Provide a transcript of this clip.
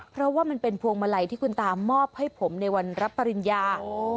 เพราะว่ามันเป็นพวงมาลัยที่คุณตามอบให้ผมในวันรับปริญญา